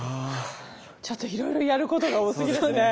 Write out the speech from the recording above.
ちょっといろいろやることが多すぎですね。